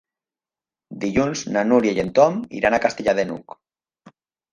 Dilluns na Núria i en Tom iran a Castellar de n'Hug.